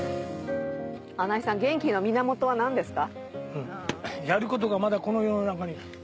穴井さん元気の源は何ですか？